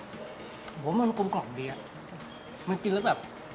ผมว่ามันกลมกล่อมดีอ่ะมันกินแล้วแบบ